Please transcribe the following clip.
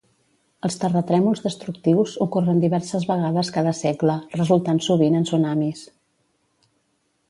Els terratrèmols destructius ocorren diverses vegades cada segle, resultant sovint en tsunamis.